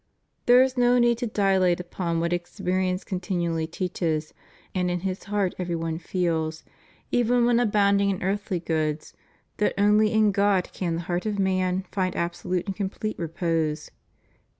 There is no need to dilate upon what experience con tinually teaches, and in his heart every one feels, even when abounding in earthly goods that only in God can the heart of man find absolute and complete repose.